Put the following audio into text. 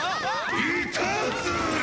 ・いたずら！